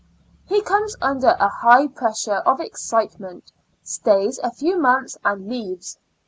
He comes under a high pressure of excitement ; stays a few months and leaves.